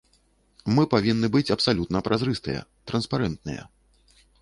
Мы павінны быць абсалютна празрыстыя, транспарэнтныя.